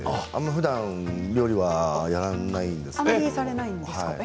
ふだんあまり料理をやらないんです。